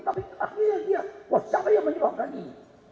tapi akhirnya dia wah siapa yang menyebabkan ini